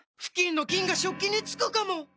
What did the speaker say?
フキンの菌が食器につくかも⁉